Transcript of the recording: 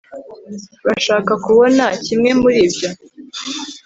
urashaka kubona kimwe muri ibyo